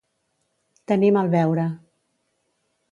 Tenir mal beure.